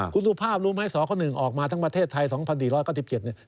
คุณสุภาพรู้ไหมสค๑ออกมาทั้งประเทศไทย๒๔๙๗เนี่ย